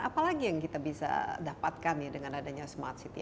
apalagi yang kita bisa dapatkan ya dengan adanya smart city